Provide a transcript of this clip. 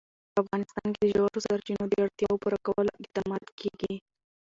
په افغانستان کې د ژورو سرچینو د اړتیاوو پوره کولو اقدامات کېږي.